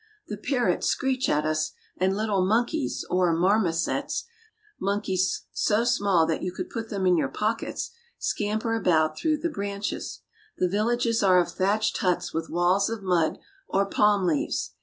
The par rots screech at us, and Httle monkeys, or marmosets, mon keys so small that you could put them into your pockets, scamper about through the branches. The villages are of thatched huts with walls of mud or palm leaves.